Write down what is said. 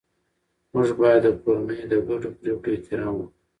موږ باید د کورنۍ د ګډو پریکړو احترام وکړو